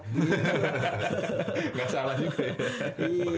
enggak salah juga ya